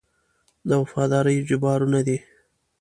د وفادارۍ اجبارونه دي.